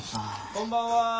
・こんばんは！